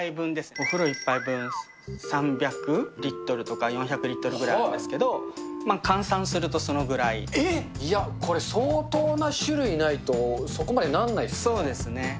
お風呂１杯分、３００リットルとか４００リットルぐらいあるんでいや、これ、相当な種類ないそうですね。